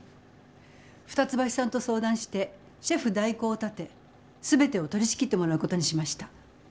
二ツ橋さんと相談してシェフ代行を立て全てを取りしきってもらうことにしました。